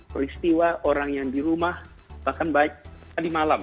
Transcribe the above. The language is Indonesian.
peristiwa orang yang di rumah bahkan baik tadi malam